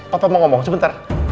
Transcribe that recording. papa mau ngomong sebentar